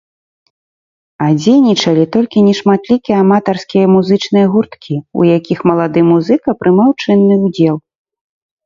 А дзейнічалі толькі нешматлікі аматарскія музычныя гурткі, у якіх малады музыка прымаў чынны ўдзел.